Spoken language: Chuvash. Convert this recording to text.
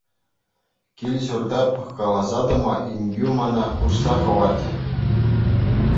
Кил-ҫурта пӑхкаласа тӑма инкӳ мана хушса хӑварчӗ.